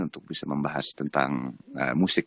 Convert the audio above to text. untuk bisa membahas tentang musik